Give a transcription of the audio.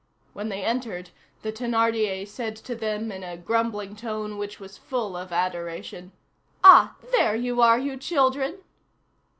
When they entered, the Thénardier said to them in a grumbling tone which was full of adoration, "Ah! there you are, you children!"